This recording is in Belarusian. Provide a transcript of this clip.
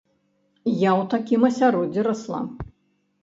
Я ў такім асяроддзі расла.